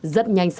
rất nhanh xíu